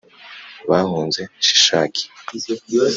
bahunze Shishaki.